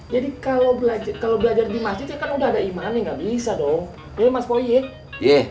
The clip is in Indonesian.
jadi kalo belajar di masjid ya kan udah berakhir kan